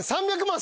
３００万。